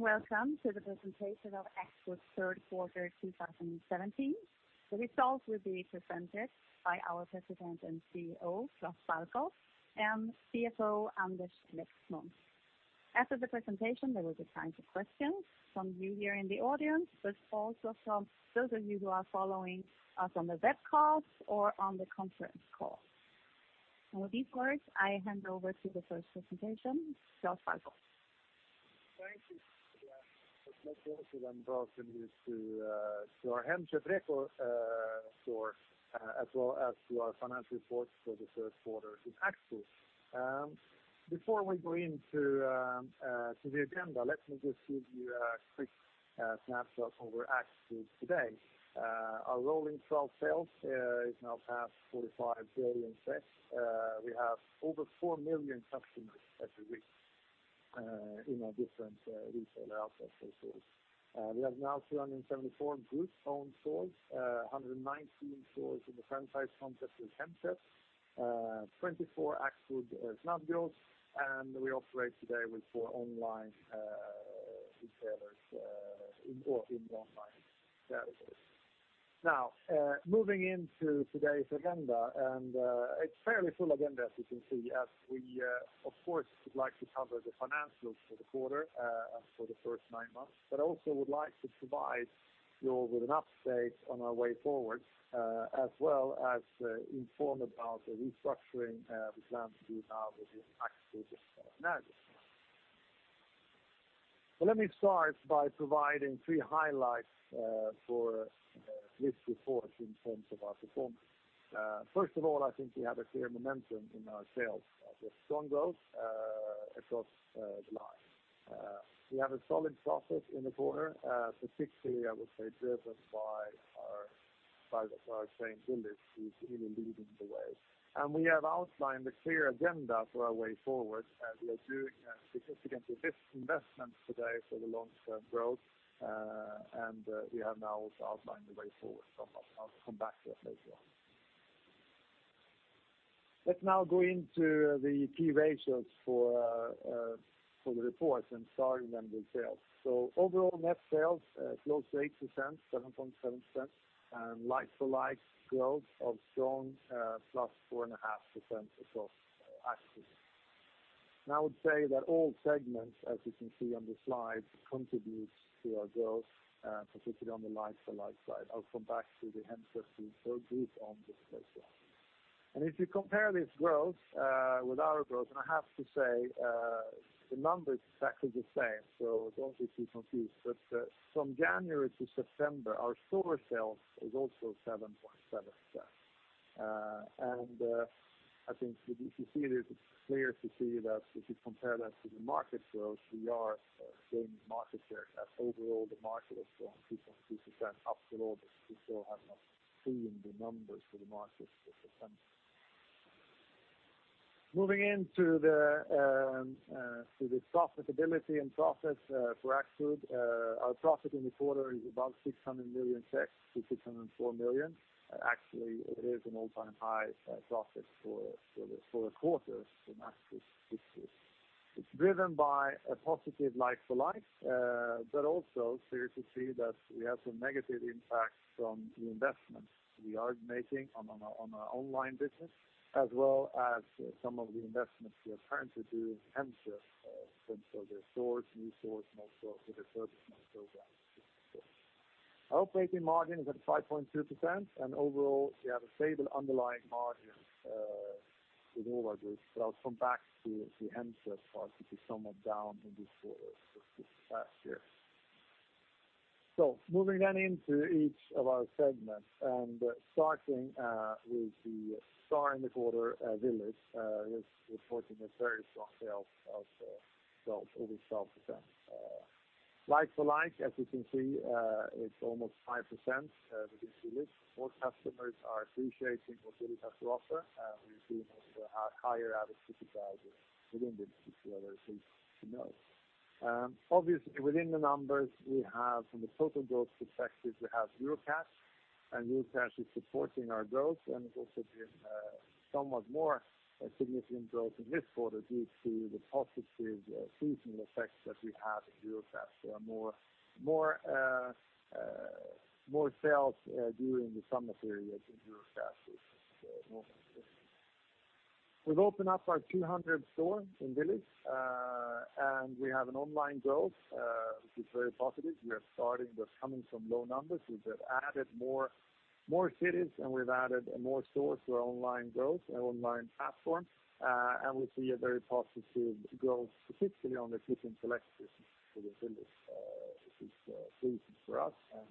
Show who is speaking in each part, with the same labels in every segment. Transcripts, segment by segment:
Speaker 1: Welcome to the presentation of Axfood Q3 2017. The results will be presented by our President and CEO, Klas Balkow, and CFO, Anders Lexmon. After the presentation, there will be time for questions from you here in the audience, but also from those of you who are following us on the webcall or on the conference call. With this word, I hand over to the first presentation, Klas Balkow.
Speaker 2: Thank you. Let me welcome you to our Hemköp record store, as well as to our financial reports for the third quarter in Axfood. Our rolling 12 sales is now past 45 billion. We have over 4 million customers every week in our different retail outlets and stores. We have now 374 group-owned stores, 119 stores in the franchise concept with Hemköp, 24 Axfood Snabbgross, and we operate today with 4 online retailers or online services. Moving into today's agenda, it's a fairly full agenda as you can see, as we, of course, would like to cover the financials for the quarter, for the first nine months, but also would like to provide you all with an update on our way forward, as well as inform about the restructuring we plan to do now within Axfood as well. Let me start by providing three highlights for this report in terms of our performance. First of all, I think we have a clear momentum in our sales with strong growth across the line. We have a solid profit in the quarter, specifically, I would say, driven by our chain, Willys, who's really leading the way. We have outlined a clear agenda for our way forward as we are doing a significantly big investment today for the long-term growth, and we have now also outlined the way forward. I'll come back to that later on. Let's now go into the key ratios for the report and starting then with sales. Overall net sales close to 8%, 7.7%, and like-for-like growth of strong +4.5% across Axfood. I would say that all segments, as you can see on the slide, contributes to our growth, specifically on the like-for-like side. I'll come back to the Hemköp group on this later on. If you compare this growth with our growth, and I have to say the number is exactly the same, so don't get too confused. But from January to September, our store sales is also 7.7%. I think if you see this, it's clear to see that if you compare that to the market growth, we are gaining market share as overall the market was growing 3.2% up to August. We still have not seen the numbers for the market for September. Moving into the profitability and profits for Axfood. Our profit in the quarter is about 600 million SEK to 604 million SEK. Actually, it is an all-time high profit for the quarter for Axfood this year. It's driven by a positive like-for-like, but also clear to see that we have some negative impact from the investments we are making on our online business as well as some of the investments we are planning to do in Hemköp in terms of their stores, new stores, and also for the service program. Our operating margin is at 5.2%, overall, we have a stable underlying margin in all our groups. I'll come back to the Hemköp part, which is somewhat down in this past year. Moving then into each of our segments and starting with the star in the quarter, Willys, is reporting a very strong sales of over 12%. Like-for-like, as you can see, it's almost 5% within Willys. More customers are appreciating what Willys has to offer, and we've seen also a higher average ticket value within Willys, which is very pleasing to note. Obviously, within the numbers we have from the total growth perspective, we have Eurocash, and Eurocash is supporting our growth, and it's also been somewhat more significant growth in this quarter due to the positive seasonal effects that we have in Eurocash. There are more sales during the summer period in Eurocash, which is normal. We've opened up our 200th store in Willys, and we have an online growth, which is very positive. We are starting with coming from low numbers. We have added more cities, and we've added more stores for online growth, online platform, and we see a very positive growth, specifically on the Click & Collect business within Willys, which is pleasing for us and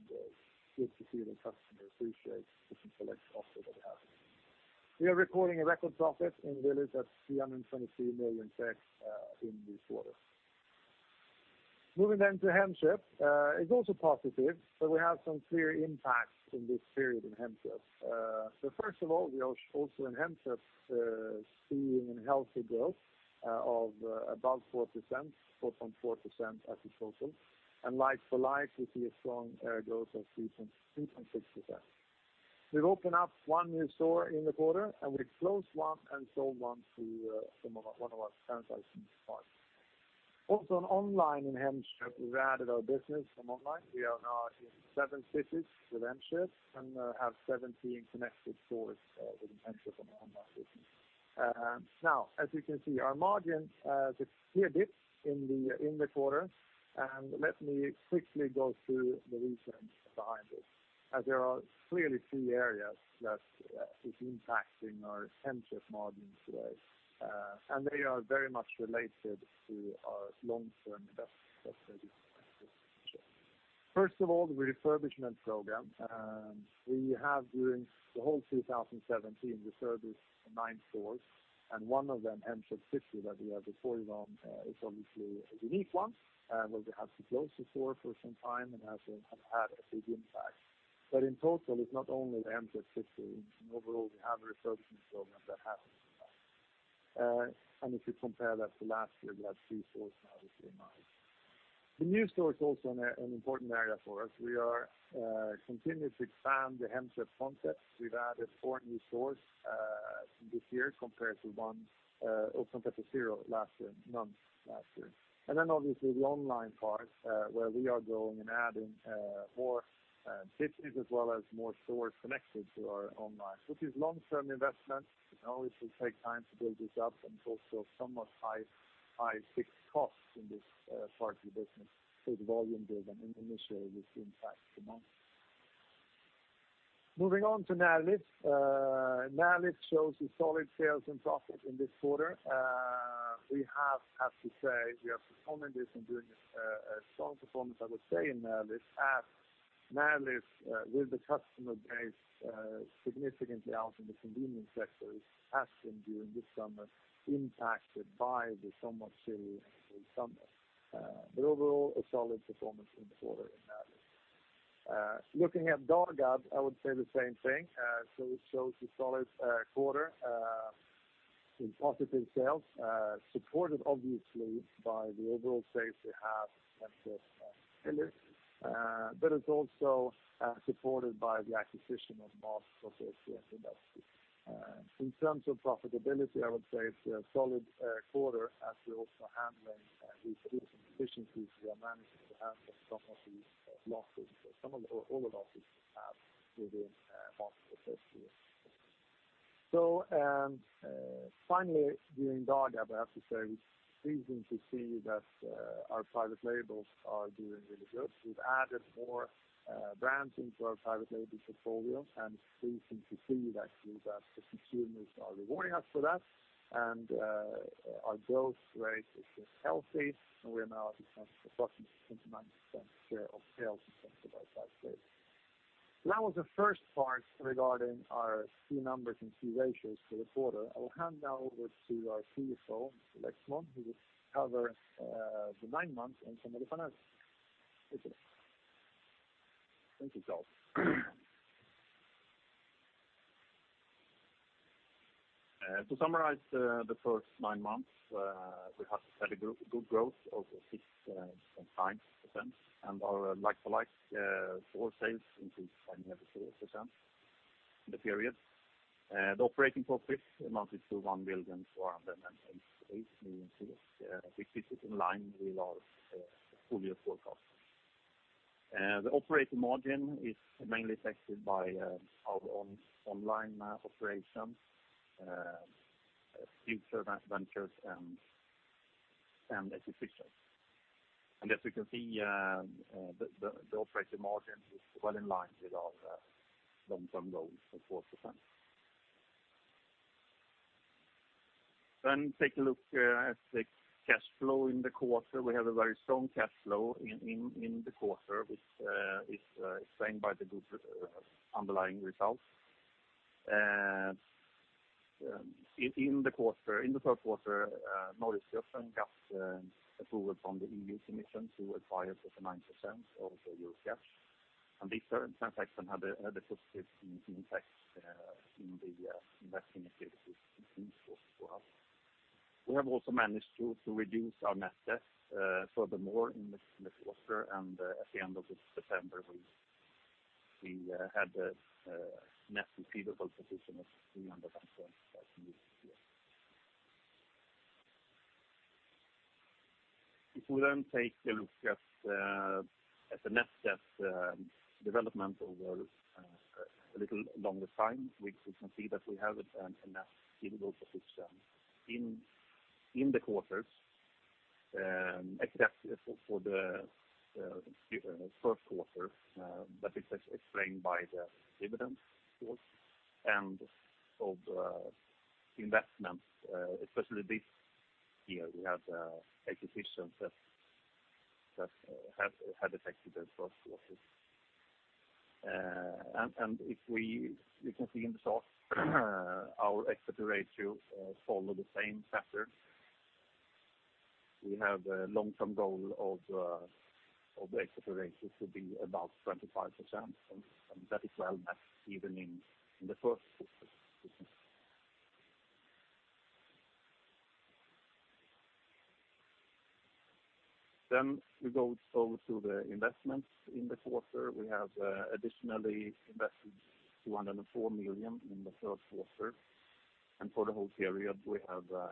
Speaker 2: good to see the customer appreciate Click & Collect offer that we have. We are recording a record profit in Willys at 323 million SEK in this quarter. Moving then to Hemköp. It's also positive, but we have some clear impacts in this period in Hemköp. First of all, we are also in Hemköp seeing a healthy growth of above 4%, 4.4% as a total. Like-for-like, we see a strong growth of 3.6%. We've opened up one new store in the quarter, and we closed one and sold one to one of our franchising partners. Also on online in Hemköp, we've added our business from online. We are now in seven cities with Hemköp and have 17 connected stores with Hemköp on the online business. Now, as you can see, our margin has a clear dip in the quarter. Let me quickly go through the reasons behind this. As there are clearly three areas that is impacting our Hemköp margins today, and they are very much related to our long-term investment strategy for Hemköp. First of all, the refurbishment program. We have, during the whole 2017, refurbished 9 stores and one of them, Hemköp City, that we have reported on, is obviously a unique one, where we had to close the store for some time and has had a big impact. But in total, it's not only the Hemköp City. In overall, we have a refurbishment program that has an impact. If you compare that to last year, we had 3 stores, now we see 9. The new stores also an important area for us. We are continuously expand the Hemköp concept. We've added 4 new stores this year compared to zero last year, none last year. Obviously the online part, where we are going and adding more cities as well as more stores connected to our online. This is long-term investment. It always will take time to build this up and it's also somewhat high fixed costs in this part of the business. The volume build initially will impact the margin. Moving on to Närlivs. Närlivs shows a solid sales and profit in this quarter. We have to say we are performing this and doing a strong performance, I would say in Närlivs, as Närlivs with the customer base significantly out in the convenience sector, has been during this summer impacted by the somewhat chilly summer. Overall, a solid performance in the quarter in Närlivs. Looking at Dagab, I would say the same thing. It shows a solid quarter in positive sales, supported obviously by the overall space we have at Hemköp and Närlivs. It's also supported by the acquisition of Mat.se. In terms of profitability, I would say it's a solid quarter as we're also handling these recent efficiencies we are managing to handle some of these losses or all the losses we have within Mat.se. Finally, during Dagab, I have to say it's pleasing to see that our private labels are doing really good. We've added more brands into our private label portfolio, and pleasing to see that the consumers are rewarding us for that. Our growth rate is just healthy, and we are now at approximately 29% share of sales in terms of our private labels. That was the first part regarding our key numbers and key ratios for the quarter. I will hand now over to our CFO, Anders Lexmon, who will cover the 9 months and some of the financials. Anders Lexmon?
Speaker 3: Thank you, Klas. To summarize the first 9 months, we had a steady good growth of 6.9%, and our like-for-like store sales increased 5.4% in the period. The operating profit amounted to 1,488,000,000 SEK, which is in line with our full-year forecast. The operating margin is mainly affected by our online operations, future ventures, and acquisitions. As you can see, the operating margin is well in line with our long-term goal of 4%. Then take a look at the cash flow in the quarter. We have a very strong cash flow in the quarter, which is explained by the good underlying results. In the third quarter, Norgesgruppen got approval from the European Commission to acquire 49% of Eurocash. This transaction had a positive impact in the investment activities in Q3 as well. We have also managed to reduce our net debt furthermore in this quarter. At the end of September, we had a net receivable position of SEK 300 million. If we then take a look at the net debt development over a little longer time, we can see that we have a net payable position in the quarters, except for the third quarter. It's explained by the dividend and of investment, especially this year. We have acquisitions that have affected the first quarter. We can see in the chart our EBITDA ratio follow the same pattern. We have a long-term goal of the EBITDA ratio to be about 25%, and that is well met even in the first quarter. We go over to the investments in the quarter.
Speaker 2: We have additionally invested 204 million in the third quarter. For the whole period, we have a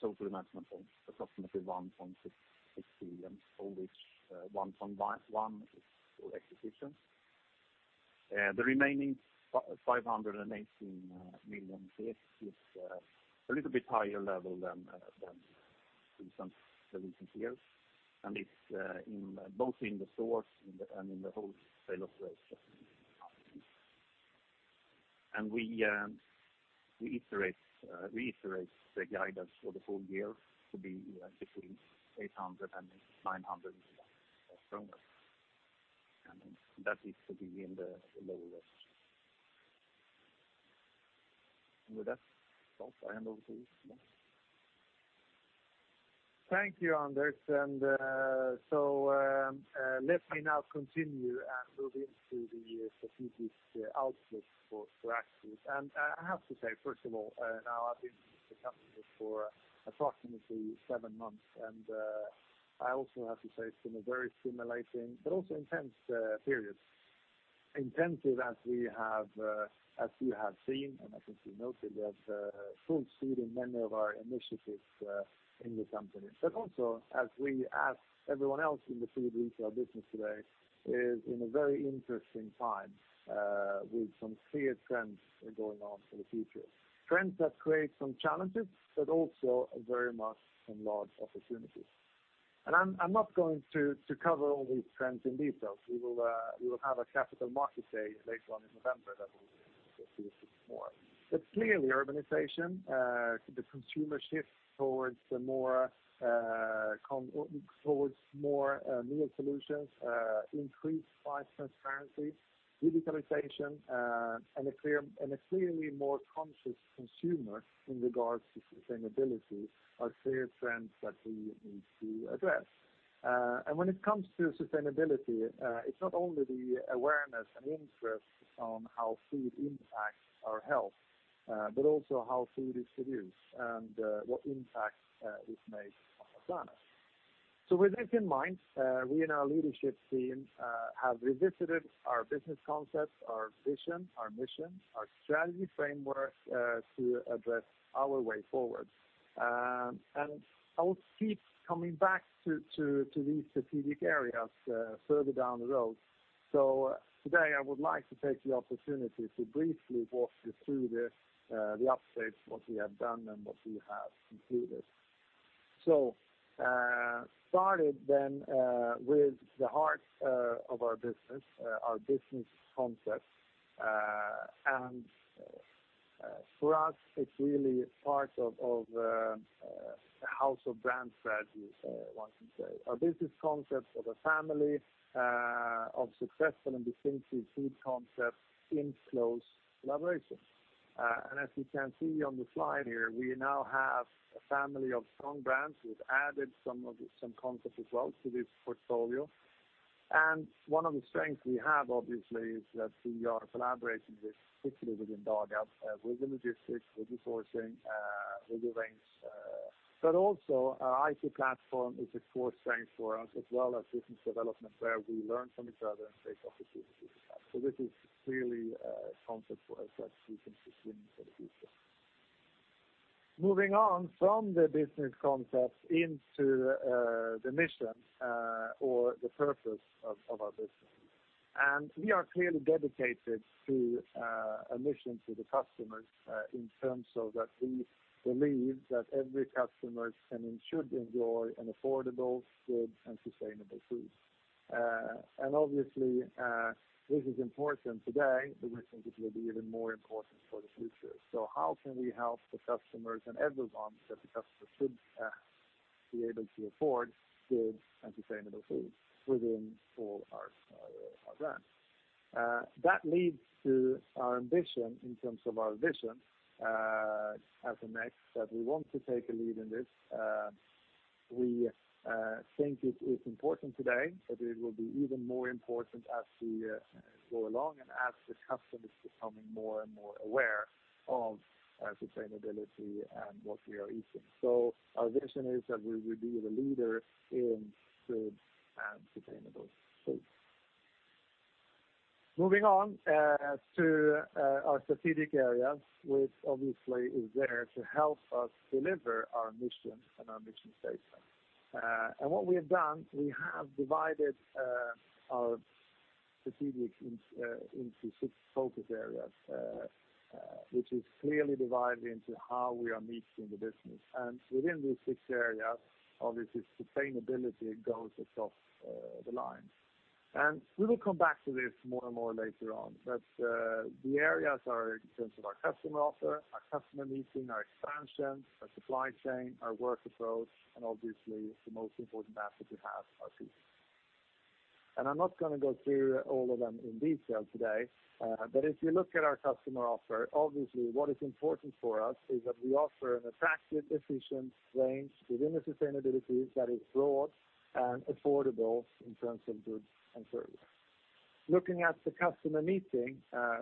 Speaker 2: total investment of approximately 1.6 billion, of which 1.1 billion is for acquisitions. The remaining 518 million is a little bit higher level than the recent years, and it's both in the stores and in the wholesale. We reiterate the guidance for the full year to be between 800 million and 900 million, and that is to be in the low range. With that, Rolf, I hand over to you. Thank you, Anders. Let me now continue and move into the strategic outlook for Axfood. I have to say, first of all, now I've been with the company for approximately seven months, and I also have to say it's been a very stimulating but also intense period. Intensive as you have seen, and I think you noted that full speed in many of our initiatives in the company. Also as we, as everyone else in the food retail business today is in a very interesting time with some clear trends going on for the future. Trends that create some challenges, but also very much some large opportunities. I'm not going to cover all these trends in detail. We will have a Capital Markets Day later on in November that will see a bit more. Clearly, urbanization, the consumer shift towards more meal solutions, increased price transparency, digitalization, and a clearly more conscious consumer in regards to sustainability are clear trends that we need to address. When it comes to sustainability, it's not only the awareness and interest on how food impacts our health, but also how food is produced and what impact it makes on the planet. With this in mind, we in our leadership team have revisited our business concepts, our vision, our mission, our strategy framework to address our way forward. I will keep coming back to these strategic areas further down the road. Today I would like to take the opportunity to briefly walk you through the updates, what we have done and what we have completed. Started then with the heart of our business, our business concept, and for us it's really part of the house of brand strategies, one can say. Our business concept of a family of successful and distinctive food concepts in close collaboration. As you can see on the slide here, we now have a family of strong brands. We've added some concepts as well to this portfolio. One of the strengths we have obviously is that we are collaborating with, particularly within Dagab, with the logistics, with the sourcing, with the range. Also our IT platform is a core strength for us as well as business development where we learn from each other and take opportunities with that. This is clearly a concept for us that we can see winning for the future. Moving on from the business concept into the mission or the purpose of our business. We are clearly dedicated to a mission to the customers in terms of that we believe that every customer can and should enjoy an affordable, good and sustainable food. Obviously, this is important today, but we think it will be even more important for the future. How can we help the customers and everyone that the customer should be able to afford good and sustainable food within all our brands? That leads to our ambition in terms of our vision as a next, that we want to take a lead in this. We think it is important today, but it will be even more important as we go along and as the customer is becoming more and more aware of sustainability and what we are eating. Our vision is that we will be the leader in good and sustainable food. Moving on to our strategic areas, which obviously is there to help us deliver our mission and our mission statement. What we have done, we have divided our strategic into six focus areas which is clearly divided into how we are meeting the business. Within these six areas, obviously sustainability goes across the lines. We will come back to this more and more later on. The areas are in terms of our customer offer, our customer meeting, our expansion, our supply chain, our work approach, and obviously the most important asset we have, our people. I'm not going to go through all of them in detail today. If you look at our customer offer, obviously what is important for us is that we offer an attractive, efficient range within the sustainability that is broad and affordable in terms of goods and service. Looking at the customer meeting,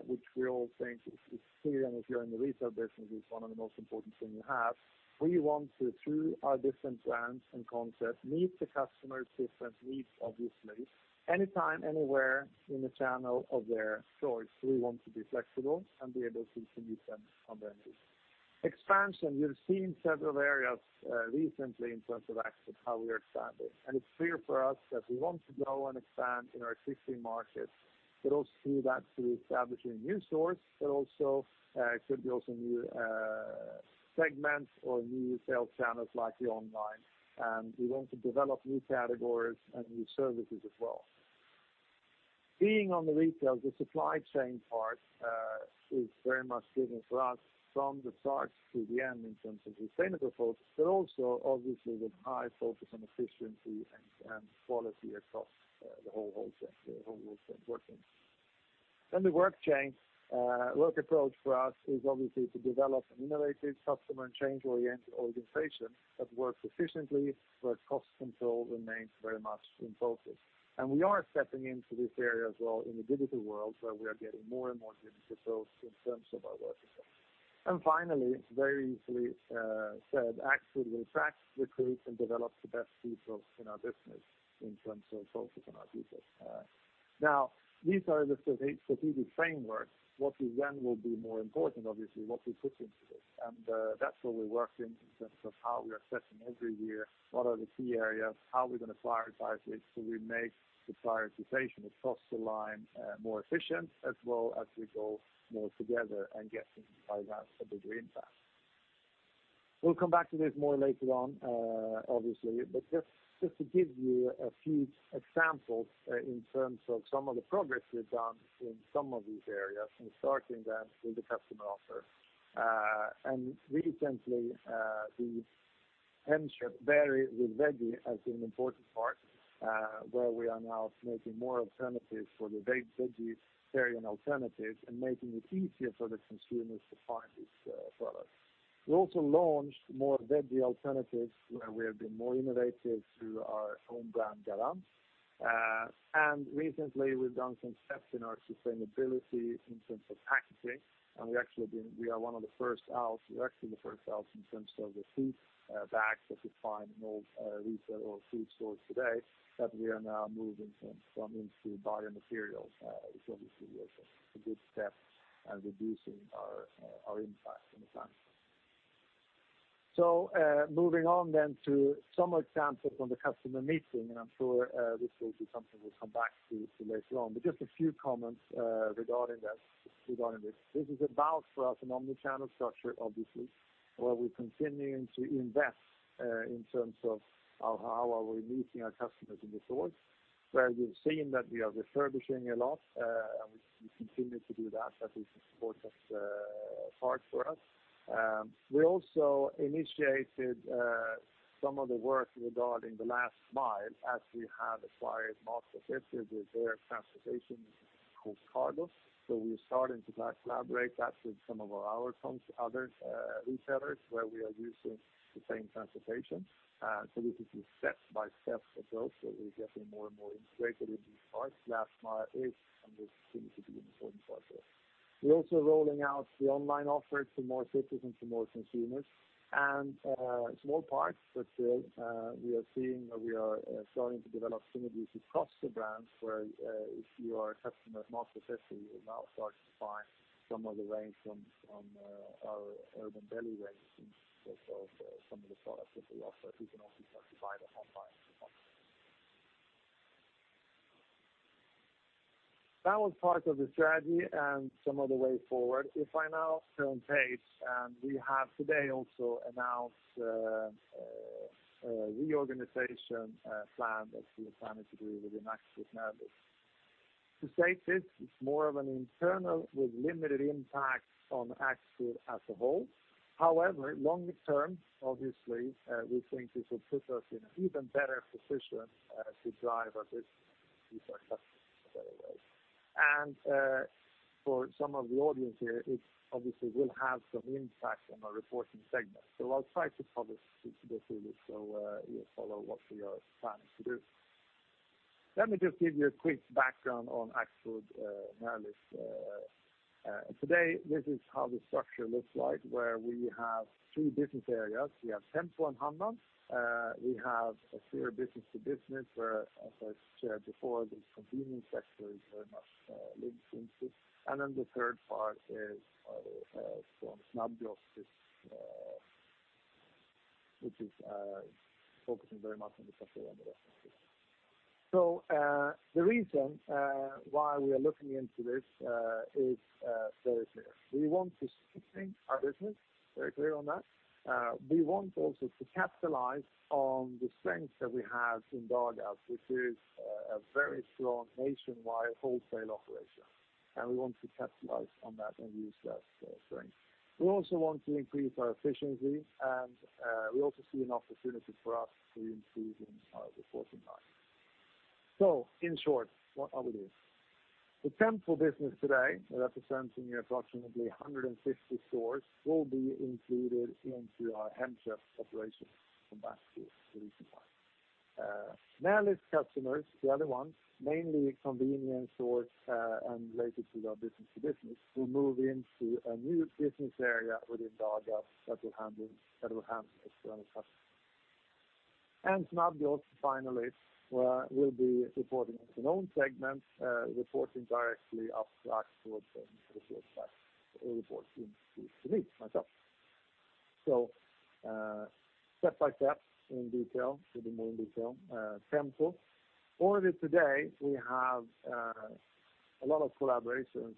Speaker 2: which we all think is clear, if you're in the retail business, is one of the most important things you have. We want to, through our different brands and concepts, meet the customer's different needs, obviously, anytime, anywhere, in the channel of their choice. We want to be flexible and be able to meet them on their needs. Expansion, you've seen several areas recently in terms of Axfood, how we are expanding. It's clear for us that we want to grow and expand in our existing markets, but also do that through establishing new stores, but also it could be new segments or new sales channels, like the online. We want to develop new categories and new services as well. Being on the retail, the supply chain part is very much driven for us from the start to the end in terms of sustainable focus, but also obviously with high focus on efficiency and quality across the whole value chain working. The work approach for us is obviously to develop an innovative customer and change-oriented organization that works efficiently, where cost control remains very much in focus. We are stepping into this area as well in the digital world, where we are getting more and more digital skills in terms of our work effect. Finally, it's very easily said, Axfood will attract, recruit, and develop the best people in our business in terms of focus on our people. Now, these are the strategic frameworks. What will be more important, obviously, what we put into this. That's where we're working in terms of how we are assessing every year what are the key areas, how we're going to prioritize it so we make the prioritization across the line more efficient as well as we go more together and get, by that, a bigger impact. We'll come back to this more later on, obviously, but just to give you a few examples in terms of some of the progress we've done in some of these areas and starting then with the customer offer. Recently, the Hemköp vary with veggie has been an important part, where we are now making more alternatives for the vegan, veggie, vegetarian alternatives and making it easier for the consumers to find these products. We also launched more veggie alternatives where we have been more innovative through our home brand, Garant. Recently we've done some steps in our sustainability in terms of packaging, and we are one of the first out, we're actually the first out in terms of the food bags that you find in all retail or food stores today that we are now moving from into biomaterials, which obviously is a good step at reducing our impact on the planet. Moving on then to some examples on the customer meeting, and I'm sure this will be something we'll come back to later on. Just a few comments regarding this. This is about, for us, an omni-channel structure, obviously, where we're continuing to invest in terms of how are we meeting our customers in the stores, where you've seen that we are refurbishing a lot, and we continue to do that as it's an important part for us. We also initiated some of the work regarding the last mile as we have acquired Mat.se, which is their transportation called Cargo. We are starting to now collaborate that with some of our other retailers where we are using the same transportation. This is a step-by-step approach where we are getting more and more integrated in these parts. Last mile is and will continue to be an important part for us. We are also rolling out the online offer to more cities and to more consumers and small parts. Still, we are seeing that we are starting to develop synergies across the brands where if you are a customer of Mat.se, you will now start to find some of the range from our Urban Deli range in terms of some of the products that we offer. You can also start to buy them online as a customer. That was part of the strategy and some of the way forward. If I now turn pace, We have today also announced a reorganization plan that we have signed this agreement with Axfood Närlivs. To state this, it is more of an internal with limited impact on Axfood as a whole. In the long term, obviously, we think this will put us in an even better position to drive our business with our customers in a better way. For some of the audience here, it obviously will have some impact on our reporting segment. I will try to cover this so you follow what we are planning to do. Let me just give you a quick background on Axfood Närlivs. Today, this is how the structure looks like, where we have three business areas. We have Tempo and Handlar'n. We have a clear business-to-business where, as I shared before, this convenience sector is very much linked into. Then the third part is from Snabbgross which is focusing very much on the customer and the restaurant business. The reason why we are looking into this is very clear. We want to strengthen our business. Very clear on that. We want also to capitalize on the strengths that we have in Dagab, which is a very strong nationwide wholesale operation, and we want to capitalize on that and use that strength. We also want to increase our efficiency, and we also see an opportunity for us to improve in our reporting line. In short, what are we doing? The Tempo business today, representing approximately 150 stores, will be included into our Hemköp operation from back to recent time. Närlivs customers, the other ones, mainly convenience stores and related to their business-to-business, will move into a new business area within Dagab that will handle external customers. Snabbgross, finally, will be reporting as an own segment, reporting directly upwards towards the CEO, reporting to me, myself. Step by step in detail, will be more in detail. Tempo. Already today, we have a lot of collaborations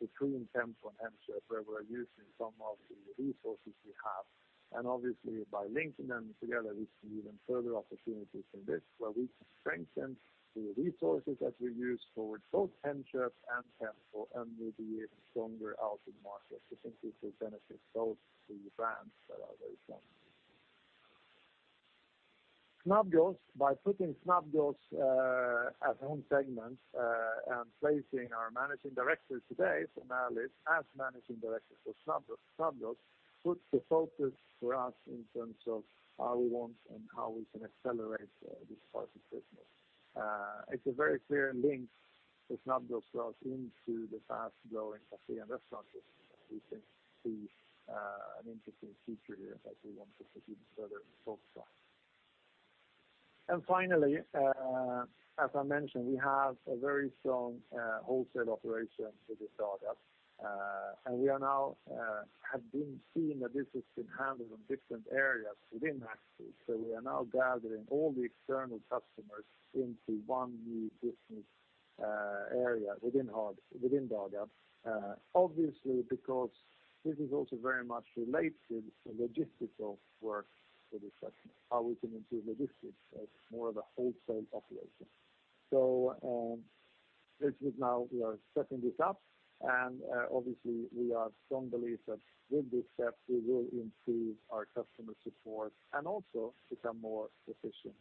Speaker 2: between Tempo and Hemköp where we are using some of the resources we have, and obviously by linking them together, we see even further opportunities in this where we can strengthen the resources that we use for both Hemköp and Tempo, and we will be even stronger out in the market. We think this will benefit both the brands that are very strong. Snabbgross, by putting Snabbgross as own segment, and placing our managing director today from Närlivs as managing director for Snabbgross. Snabbgross puts the focus for us in terms of how we want and how we can accelerate this part of the business. It's a very clear link for Snabbgross for us into the fast-growing cafe and restaurant business that we can see an interesting future here that we want to pursue further and focus on. Finally, as I mentioned, we have a very strong wholesale operation within Dagab. We have been seeing that this has been handled in different areas within Axfood. We are now gathering all the external customers into one new business area within Dagab. Because this is also very much related to logistical work for this segment, how we can improve logistics as more of a wholesale operation. This is now, we are setting this up, and obviously, we are of strong belief that with these steps, we will improve our customer support and also become more efficient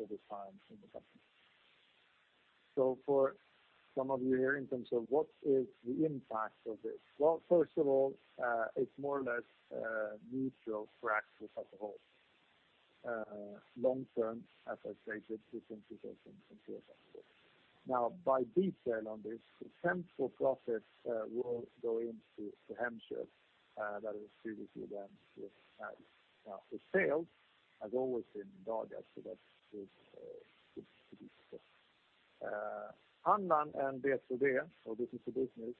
Speaker 2: over time in the company. For some of you here in terms of what is the impact of this? Well, first of all, it's more or less neutral for Axfood as a whole. Long term, as I stated, we think this will improve Axfood. Now, by detail on this, Tempo profits will go into Hemköp that is previously then with Närlivs. For sales, has always been Dagab, so that is good to discuss. B2B, so business-to-business,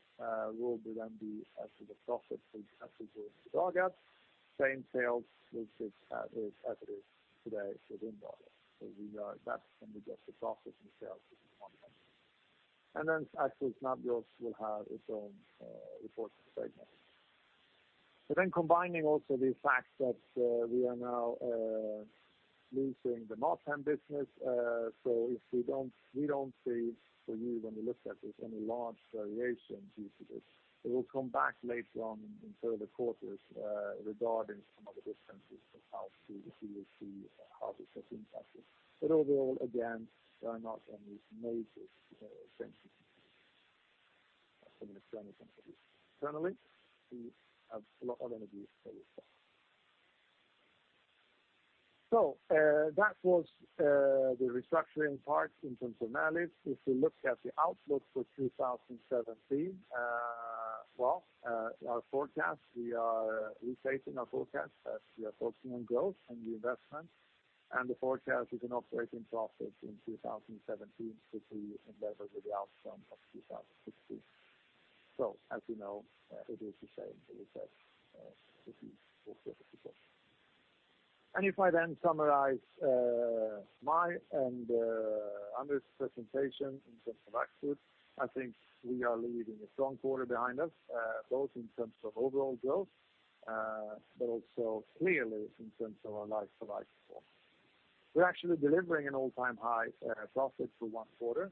Speaker 2: will then be as to the profit as it goes to Dagab, same sales as it is today within Dagab. That's only just the profit and sales is one entity. Axfood Snabbgross will have its own reporting segment. Then combining also the fact that we are now losing the Mathem business, so we don't see for you when you look at this any large variations due to this. We will come back later on in further quarters regarding some of the differences of how we see or see how this has impacted. Overall, again, there are not any major changes from an external point of view. Internally, we have a lot of energy for this step. That was the restructuring part in terms of Närlivs. If you look at the outlook for 2017, well, our forecast, we are restating our forecast as we are focusing on growth and the investment, and the forecast is an operating profit in 2017 to be in level with the outcome of 2016. As you know, it is the same as we said previously for 2017. If I then summarize my and Anders' presentation in terms of Axfood, I think we are leaving a strong quarter behind us, both in terms of overall growth, but also clearly in terms of our like-for-like performance. We're actually delivering an all-time high profit for one quarter,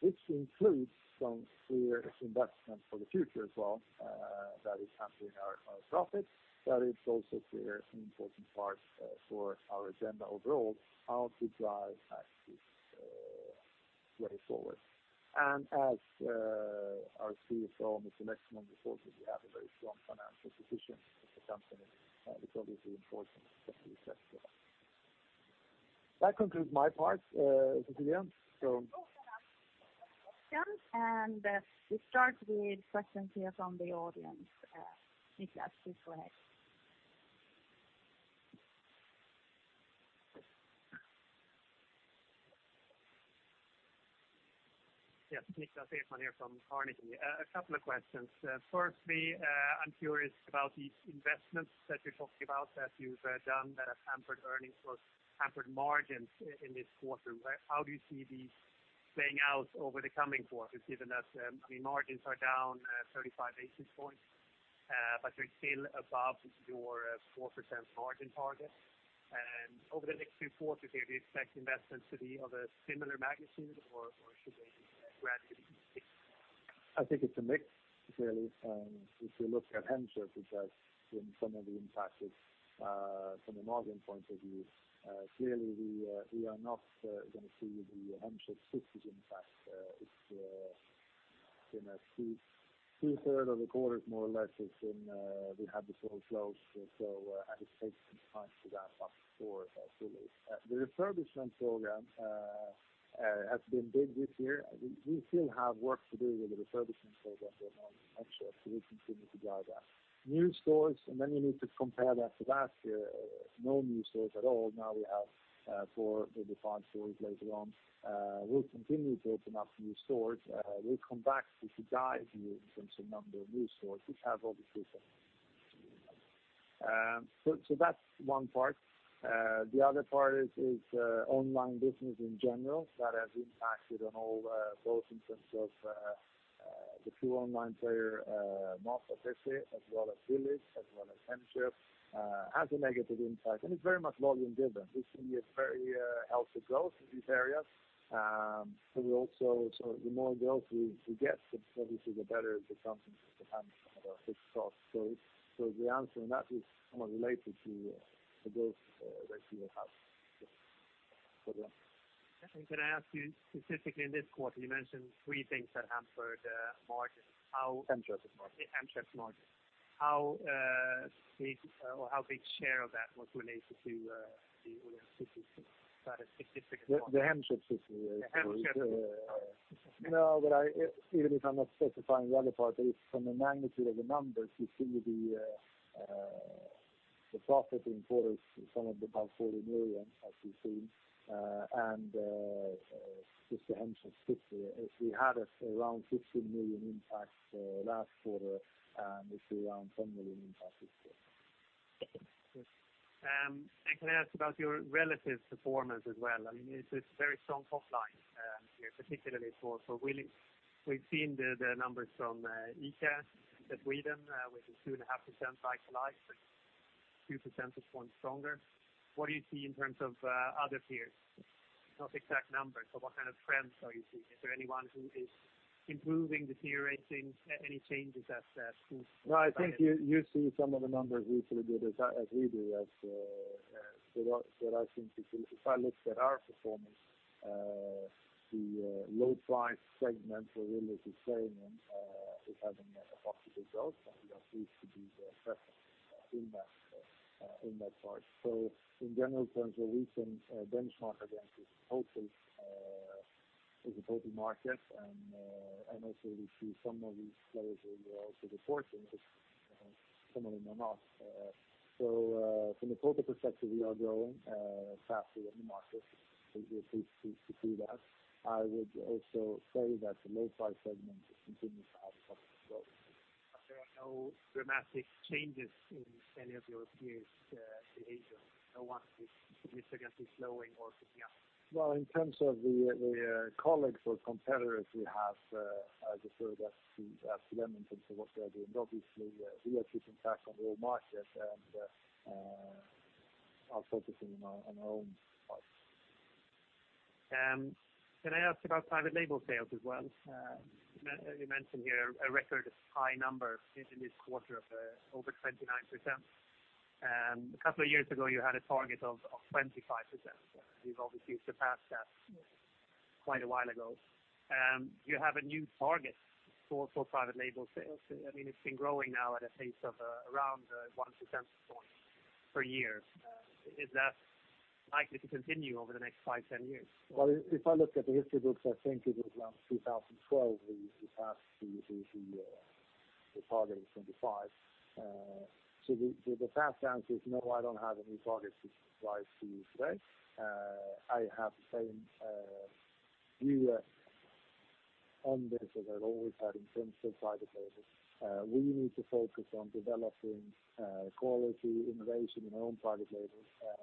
Speaker 2: which includes some clear investment for the future as well, that is hampering our profit, but it's also clear an important part for our agenda overall, how to drive Axfood way forward. As our CFO, Mr. Lexmon, reported, we have a very strong financial position as a company, which obviously is important as we said today. That concludes my part, Cecilia.
Speaker 1: Thank you so much for the presentation. We start with questions here from the audience. Niklas, please go ahead.
Speaker 4: Yes. Niklas Ekman here from Carnegie. A couple of questions. Firstly, I'm curious about the investments that you're talking about that you've done that have hampered earnings or hampered margins in this quarter. How do you see these playing out over the coming quarters, given that, I mean, margins are down 35 basis points, but we're still above your 4% margin target. Over the next few quarters, do you expect investments to be of a similar magnitude, or should they gradually decrease?
Speaker 2: I think it's a mix, clearly. If you look at Hemköp, which has been some of the impacted from a margin point of view, clearly we are not going to see the Hemköp system impact its Two-thirds of the quarter, more or less, we had the stores closed, and it takes some time to ramp up stores, really. The refurbishment program has been big this year. We still have work to do with the refurbishment program going on, actually, so we continue to drive that. New stores, then you need to compare that to last year, no new stores at all. Now we have four, maybe five stores later on. We'll continue to open up new stores. We'll come back with a guide here in terms of number of new stores. We have obviously said. That's one part. The other part is online business in general. That has impacted on all, both in terms of the pure online player, Mat.se especially, as well as Willys, as well as Hemköp, has a negative impact, and it's very much volume driven. We see a very healthy growth in these areas. The more growth we get, obviously, the better it becomes in terms of handling some of our fixed costs. The answer in that is somewhat related to the growth that we will have. Over.
Speaker 4: can I ask you specifically, in this quarter, you mentioned three things that hampered margin. How-
Speaker 2: Hemköp's margin.
Speaker 4: Hemköp's margin. How big share of that was related to the online business? That specific one.
Speaker 2: The Hemköp business.
Speaker 4: The Hemköp business.
Speaker 2: Even if I'm not specifying the other part, from the magnitude of the numbers, you see the profit in quarters, somewhere about 40 million, as we've seen. Just the Hemköp specifically, as we had around 15 million impact last quarter, and it's around 10 million impact this quarter.
Speaker 4: Can I ask about your relative performance as well? It's very strong top line here, particularly for Willys. We've seen the numbers from ICA Sweden, with a 2.5% like-for-like, 2 percentage points stronger. What do you see in terms of other peers? Not exact numbers, but what kind of trends are you seeing? Is there anyone who is improving, deteriorating? Any changes?
Speaker 2: I think you see some of the numbers we deliver as we do. If I look at our performance, the low price segment for Willys is staying and is having a positive result, and we are pleased to be the best in that part. In general terms, where we can benchmark against is the total market, and also we see some of these players who are also reporting similarly or not. From a total perspective, we are growing faster than the market. We are pleased to see that. I would also say that the low price segment continues to have a positive growth.
Speaker 4: There are no dramatic changes in any of your peers' behavior? No one is significantly slowing or picking up?
Speaker 2: Well, in terms of the colleagues or competitors, we have, I refer to them in terms of what they are doing. Obviously, we are keeping tabs on the whole market and are focusing on our own part.
Speaker 4: Can I ask about private label sales as well? You mentioned here a record high number in this quarter of over 29%. A couple of years ago, you had a target of 25%. You've obviously surpassed that quite a while ago. You have a new target for private label sales. It's been growing now at a pace of around one percentage point per year. Is that likely to continue over the next five, 10 years?
Speaker 2: Well, if I look at the history books, I think it was around 2012, we passed the target of 25%. The fast answer is no, I don't have a new target to provide to you today. I have the same view on this as I've always had in terms of private label. We need to focus on developing quality, innovation in our own private label.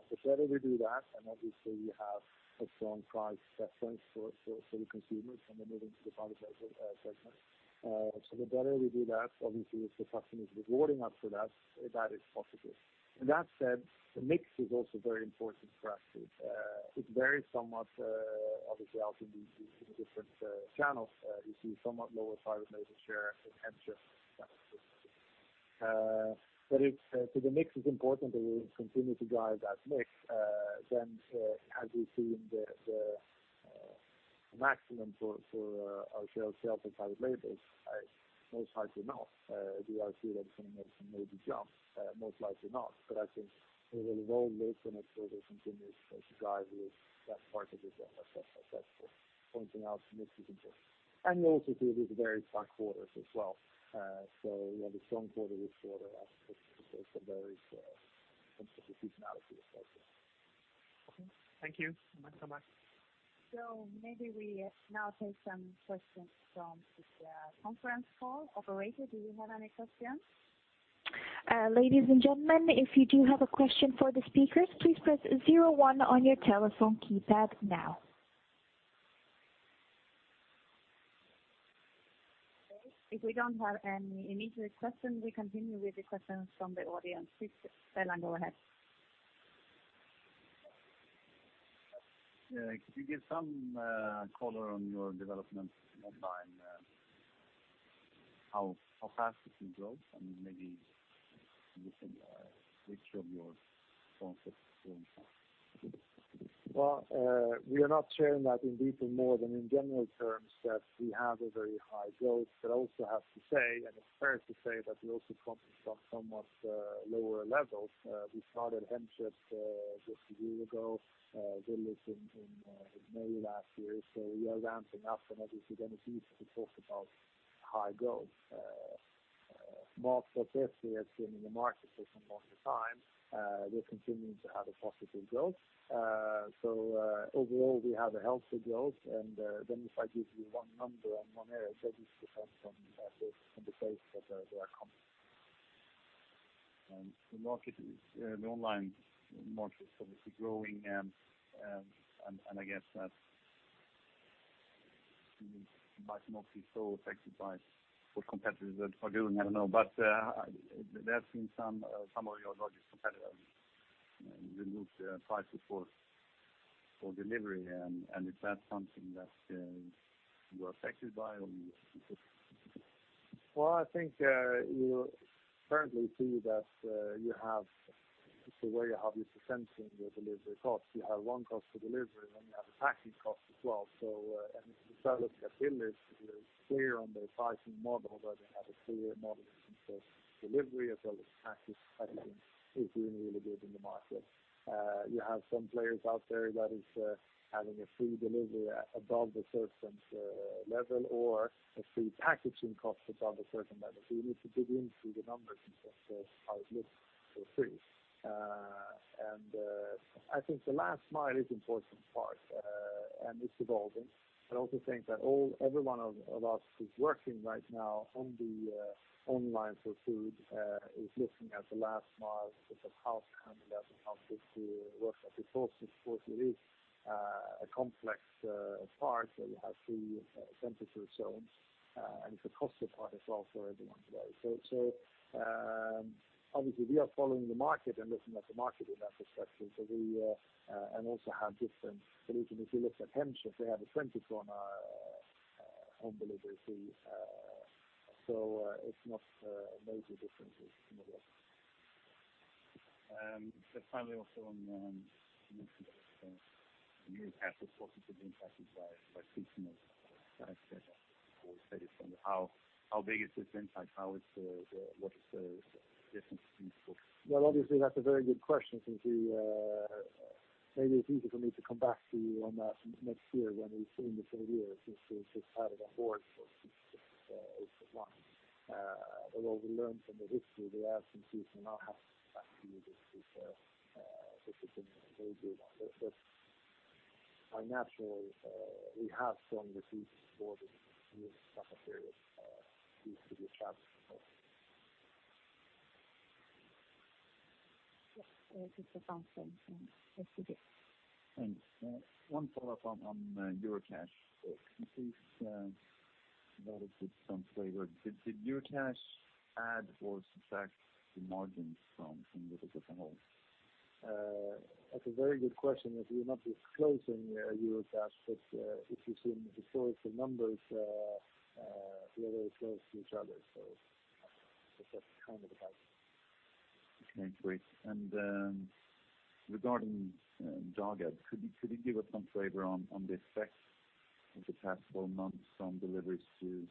Speaker 2: The better we do that, and obviously we have a strong price preference for the consumers when they move into the private label segment. The better we do that, obviously, if the customer is rewarding us for that is positive. That said, the mix is also very important for Axfood. It varies somewhat, obviously, also in the different channels. We see somewhat lower private label share in Hemköp than in Willys. The mix is important, and we will continue to drive that mix. Have we seen the maximum for our sales of private labels? Most likely not. Do I see that something maybe jumps? Most likely not. I think we will roll with and further continue to drive with that part of the business as successful, pointing out mix is important. We also see these very strong quarters as well. We have a strong quarter this quarter as opposed to various seasonality effects.
Speaker 4: Okay. Thank you so much.
Speaker 1: Maybe we now take some questions from the conference call. Operator, do we have any questions?
Speaker 5: Ladies and gentlemen, if you do have a question for the speakers, please press 01 on your telephone keypad now.
Speaker 1: If we don't have any immediate questions, we continue with the questions from the audience. Please, Per, go ahead.
Speaker 6: Could you give some color on your development mobile? How fast is the growth, and maybe You said which of your concepts
Speaker 2: Well, we are not sharing that in deeper more than in general terms, that we have a very high growth, but also have to say, and it's fair to say that we also come from somewhat lower levels. We started Hemköp just a year ago. Willys in May last year. We are ramping up and obviously then it's easy to talk about high growth. Mat.se has been in the market for some longer time. We're continuing to have a positive growth. Overall we have a healthy growth. If I give you one number on one area, that is different from the base that they are coming.
Speaker 6: The online market is obviously growing and I guess that it is much more so affected by what competitors are doing. I don't know. There have been some of your largest competitors remove price support for delivery, and is that something that you are affected by?
Speaker 2: I think you currently see that you have, the way you have it, essentially in your delivery costs, you have one cost of delivery, then you have a packing cost as well. If you look at Willys, they're clear on their pricing model that they have a clear model in terms of delivery as well as packing, I think is doing really good in the market. You have some players out there that is having a free delivery above a certain level or a free packaging cost above a certain level. You need to dig into the numbers in terms of how it looks for free. I think the last mile is important part, and it's evolving. I also think that every one of us who's working right now on the online for food, is looking at the last mile in terms of how to handle that and how this works as a source. It's, of course, it is a complex part. You have three temperature zones, and it's a cost part as well for everyone today. Obviously we are following the market and looking at the market in that respect. Also have different solutions. If you look at Hemköp, they have a 24-hour home delivery. It's not a major difference in the work.
Speaker 6: Finally, also on Axfood positively impacted by seasonal effects there. Say it from how big is this insight, what is the difference between stores?
Speaker 2: Obviously, that's a very good question, since maybe it's easy for me to come back to you on that next year when we've seen the full year, since we've had it on board for eight months. What we learned from the history, the absences will not have an impact this year, this has been a very good one. By natural, we have strong receipts quarter with summer period due to the travel.
Speaker 1: Yes. This is for Thompson from SEB.
Speaker 7: Thanks. One follow-up on Eurocash. Could you please provide us with some flavor? Did Eurocash add or subtract the margins from Axfood as a whole?
Speaker 2: That's a very good question, as we're not disclosing Eurocash, if you've seen the historical numbers, they're very close to each other. That's kind of the background.
Speaker 7: Okay, great. Regarding Dagab, could you give us some flavor on the effect of the past 12 months on deliveries to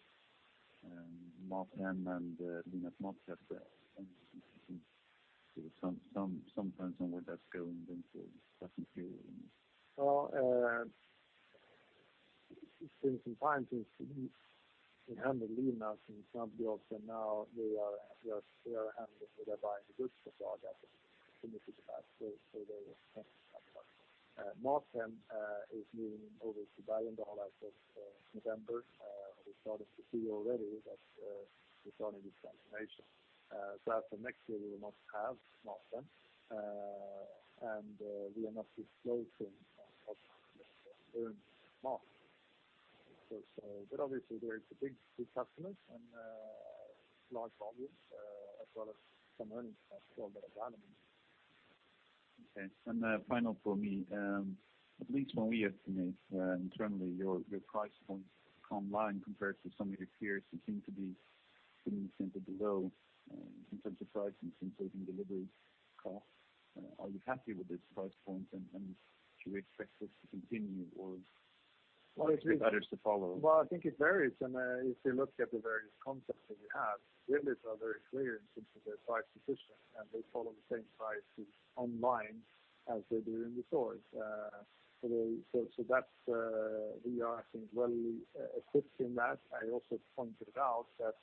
Speaker 7: Mathem and Linas Matkasse? Some sense on where that's going then for the second period.
Speaker 2: Well, it's been some time since we handled Linas in some deals. They are buying the goods for Dagab and deliver it back. They will handle that part. Mathem is moving over to Dagab as of November. We started to see already that we're starting this transformation. As for next year, we will not have Mathem, and we are not disclosing Mathem's earned mark. Obviously they're big customers and large volumes, as well as some earnings as well that are valuable.
Speaker 7: Okay. Final for me, at least when we estimate internally your price points online compared to some of your peers who seem to be pretty centered below in terms of pricing since they're doing delivery costs. Are you happy with this price point, and do you expect this to continue or do you expect others to follow?
Speaker 2: Well, I think it varies, and if you look at the various concepts that we have, Willys are very clear in terms of their price position, and they follow the same prices online as they do in the stores. We are, I think, well-equipped in that. I also pointed out that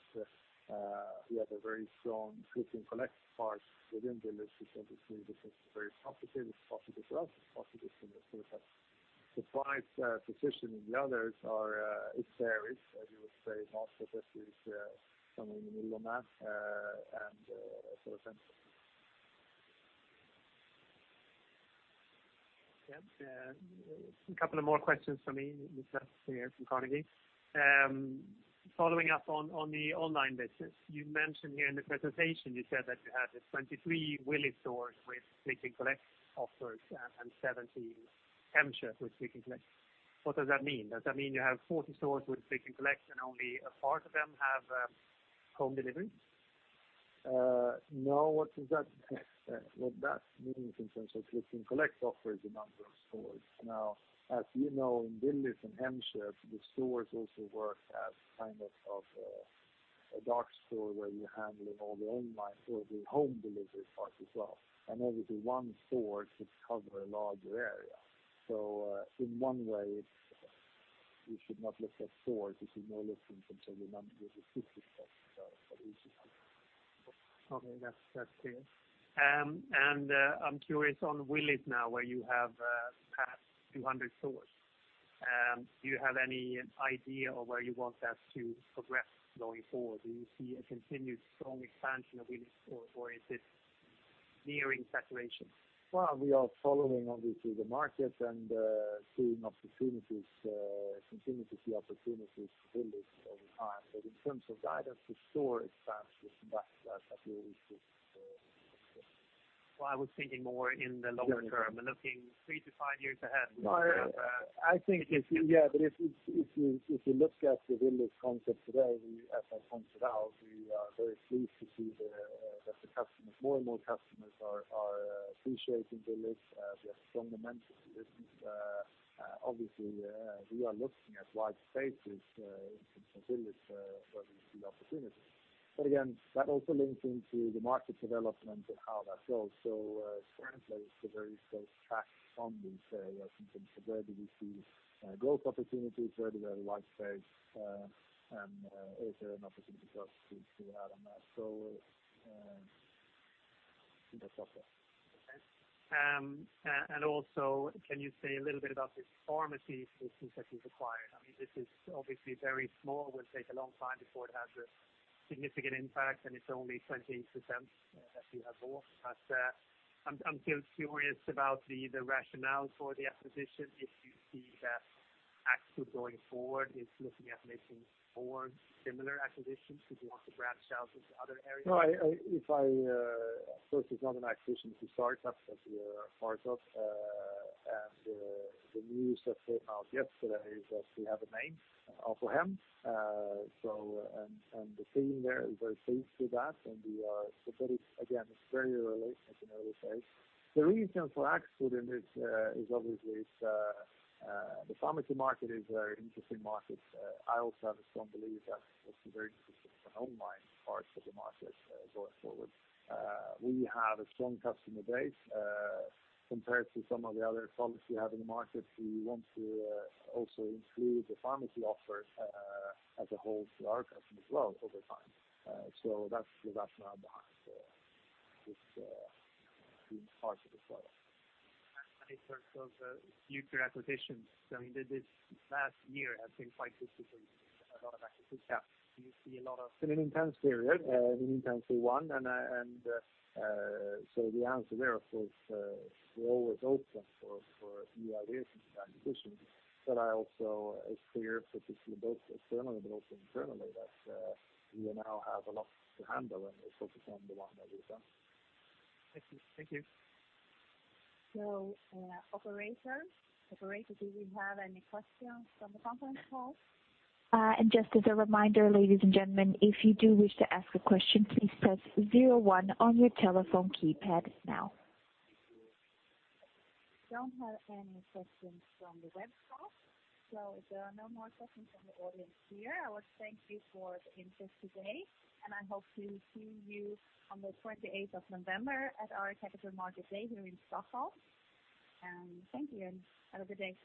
Speaker 2: we have a very strong Click & Collect part within Willys, which I think is very competitive. It's possible for us, it's possible for the concept. The price position in the others, it varies. As you would say, Matöppet is somewhere in the middle of that and so forth.
Speaker 4: Yes. A couple of more questions for me, Niklas here from Carnegie. Following up on the online business, you mentioned here in the presentation, you said that you had the 23 Willys stores with Click & Collect offers and 17 Hemköp with Click & Collect. What does that mean? Does that mean you have 40 stores with Click & Collect and only a part of them have home delivery?
Speaker 2: No. What that means in terms of Click & Collect offer is the number of stores. Now, as you know, in Willys and Hemköp, the stores also work as a dark store where you're handling all the online or the home delivery part as well. Obviously one store could cover a larger area. In one way, we should not look at stores, we should more look in terms of the number of the Click & Collect for each of them.
Speaker 4: Okay, that's clear. I'm curious on Willys now, where you have passed 200 stores. Do you have any idea of where you want that to progress going forward? Do you see a continued strong expansion of Willys, or is it nearing saturation?
Speaker 2: Well, we are following, obviously, the market and seeing opportunities, continue to see opportunities for Willys over time. In terms of guidance, the store expansion, that will be fixed.
Speaker 4: Well, I was thinking more in the longer term and looking three to five years ahead.
Speaker 2: I think, if you look at the Willys concept today, we, as I pointed out, we are very pleased to see that more and more customers are appreciating Willys. We have strong momentum in the business. Obviously, we are looking at white spaces in terms of Willys where we see opportunities. Again, that also links into the market development and how that goes. Currently, it's a very close track on these in terms of where do we see growth opportunities, where do we have white space, and is there an opportunity for us to add on that? That's all.
Speaker 4: Okay. Also, can you say a little bit about this pharmacy business that you've acquired? This is obviously very small, will take a long time before it has a significant impact, and it's only 20% that you have bought. I'm still curious about the rationale for the acquisition, if you see that Axfood going forward is looking at making more similar acquisitions, if you want to branch out into other areas.
Speaker 2: No, of course, it's not an acquisition to start that we are a part of. The news that came out yesterday is that we have a name, Apohem. The team there is very pleased with that, and we are. Again, it's very early, as you know, we said. The reason for Axfood in it is obviously the pharmacy market is a very interesting market. I also have a strong belief that it's a very interesting for an online part of the market going forward. We have a strong customer base. Compared to some of the other pharmacies we have in the market, we want to also include the pharmacy offer as a whole to our customers as well over time. That's the rationale behind this part of the story.
Speaker 4: In terms of future acquisitions, this last year has been quite busy for you, a lot of activity. Do you see a lot of
Speaker 2: It's been an intense period, an intensely one, the answer there, of course, we're always open for new ideas and acquisitions. I also, it's clear, particularly both externally but also internally, that we now have a lot to handle, and we're focused on the one that we've done.
Speaker 4: Thank you.
Speaker 1: Operators, do we have any questions from the conference call?
Speaker 5: Just as a reminder, ladies and gentlemen, if you do wish to ask a question, please press 01 on your telephone keypad now.
Speaker 1: Don't have any questions from the web call. If there are no more questions from the audience here, I would thank you for the interest today, and I hope to see you on the 28th of November at our Capital Markets Day here in Stockholm. Thank you, and have a good day.